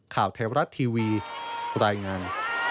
ข่าวไทยรัฐทีวีรายงาน